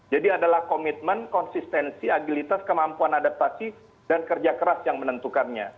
jadi adalah komitmen konsistensi agilitas kemampuan adaptasi dan kerja keras yang menentukannya